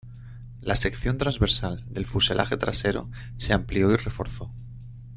La sección transversal del fuselaje trasero se amplió y reforzó.